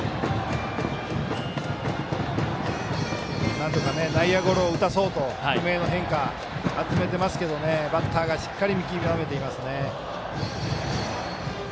なんとか、内野ゴロを打たそうと低めに集めてますけどバッターがしっかり見極めていますね。